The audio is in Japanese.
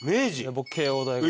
僕慶応大学。